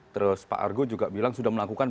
terus pak argo juga bilang sudah melakukan